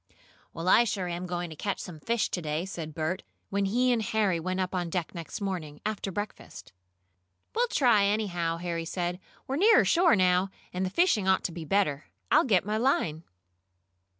"Well, I sure am going to catch some fish to day," said Bert, when he and Harry went up on deck next morning, after breakfast. "We'll try, anyhow," Harry said. "We're nearer shore now, and the fishing ought to be better. I'll get my line.".